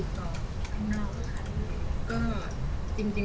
ส่วนยังแบร์ดแซมแบร์ด